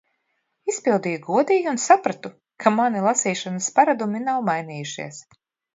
Izpildīju godīgi un sapratu, ka mani lasīšanas paradumi nav mainījušies.